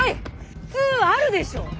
普通あるでしょ！？